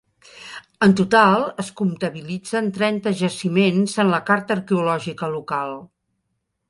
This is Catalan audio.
En total es comptabilitzen trenta jaciments en la Carta Arqueològica local.